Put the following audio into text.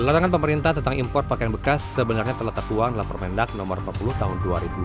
kedatangan pemerintah tentang impor pakaian bekas sebenarnya telah tertuang dalam permendak no empat puluh tahun dua ribu dua puluh